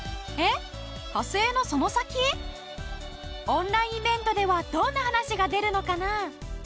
オンラインイベントではどんな話が出るのかな？